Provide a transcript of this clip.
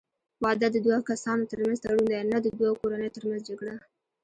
واده د دوه کسانو ترمنځ تړون دی، نه د دوو کورنیو ترمنځ جګړه.